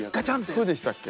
そうでしたっけ？